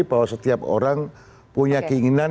bahwa setiap orang punya keinginan